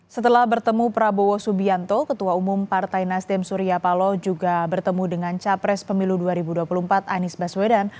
setelah bertemu prabowo subianto ketua umum partai nasdem surya paloh juga bertemu dengan capres pemilu dua ribu dua puluh empat anies baswedan